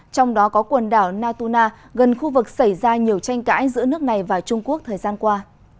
trong đó có quần đảo natuna gần khu vực xảy ra nhiều tranh cãi giữa nước này và trung quốc thời gian qua